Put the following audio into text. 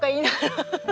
ハハハハ。